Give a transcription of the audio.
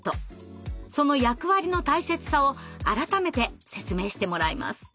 その役割の大切さを改めて説明してもらいます。